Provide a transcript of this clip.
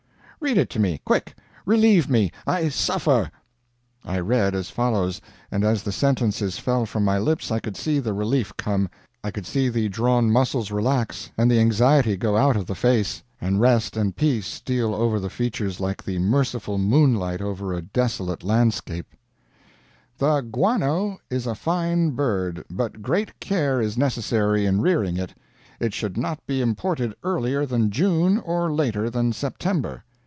Read it to me quick! Relieve me. I suffer." I read as follows; and as the sentences fell from my lips I could see the relief come, I could see the drawn muscles relax, and the anxiety go out of the face, and rest and peace steal over the features like the merciful moonlight over a desolate landscape: The guano is a fine bird, but great care is necessary in rearing it. It should not be imported earlier than June or later than September.